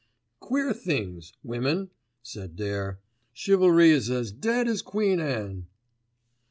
"Queer things, women," said Dare; "chivalry is as dead as Queen Anne."